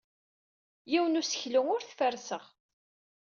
Yiwen n useklu ur t-ferrseɣ.